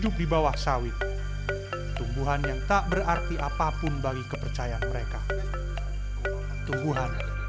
pertama sekali kepercayaan